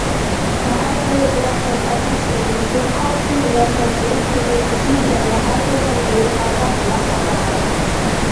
باھار بايرىمىلىق سەنئەت كېچىلىكىدىكى قالتىس رىياسەتچىلىك تەجرىبىسى بىلەن ناھايىتى غەلىبىلىك ھالدا نام قازانغان.